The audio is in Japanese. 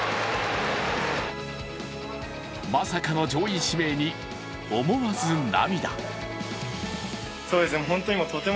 まさかの上位指名に思わず涙。